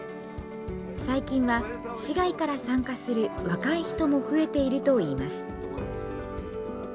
最近は市外から参加する若い人も増えているといいます。